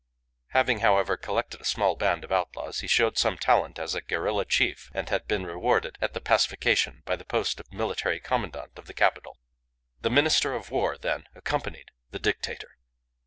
Having, however, collected a small band of outlaws, he showed some talent as guerilla chief and had been rewarded at the pacification by the post of Military Commandant of the capital. The Minister of War, then, accompanied the Dictator.